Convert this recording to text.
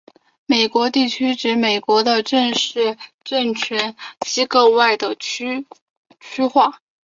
美国地区指的美国的正式政权机构外的区划。